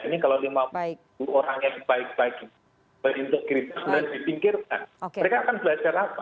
ini kalau lima puluh orang yang baik baik berintegritas dan dipikirkan mereka akan belajar apa